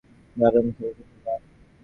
দারুণ খেলেছো, খোকা।